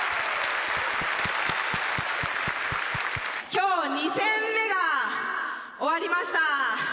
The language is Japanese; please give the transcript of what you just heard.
きょう２戦目が終わりました。